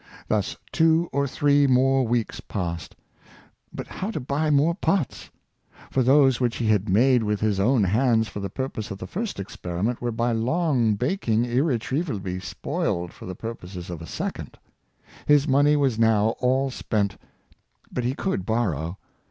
Thus two or three more weeks passed. But how to buy more pots? For those which he had made with his own hands for the purpose of the first experiment were by long baking irretrievably spoiled for the purposes of a second. His money was now all spent; but he could borrow.